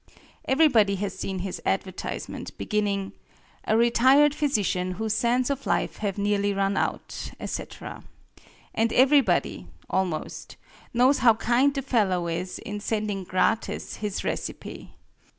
Everybody has seen his advertisement, beginning "A retired Physician whose sands of life have nearly run out," etc. And everybody almost knows how kind the fellow is in sending gratis his recipe.